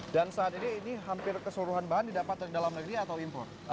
dan saat ini ini hampir keseluruhan bahan didapatkan dalam negeri atau impor